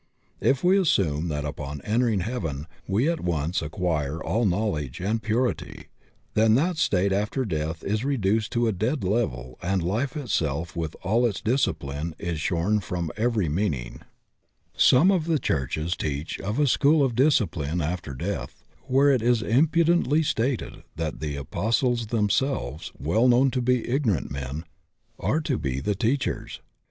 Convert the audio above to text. If we assume that upon entering heaven we at once acquire all knowledge and purity, then that state after death is reduced to a dead level and life itself with all its dis cipline is shorn of every meaning. Some of the (% 84 THE OCEAN OF THEOSOPHY churches teach of a school of discipline after death where it is impudently stated that the Apostles them selves, well known to be ignorant men, are to be the teachers.